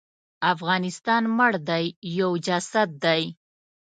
افغانستان مړ دی یو جسد دی.